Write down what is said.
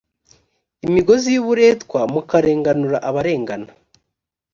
imigozi y uburetwa mukarenganura abarengana